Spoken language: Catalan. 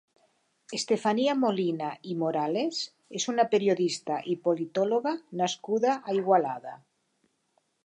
Estefania Molina i Morales és una periodista i politòloga nascuda a Igualada.